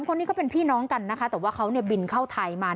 คนนี้ก็เป็นพี่น้องกันนะคะแต่ว่าเขาเนี่ยบินเข้าไทยมา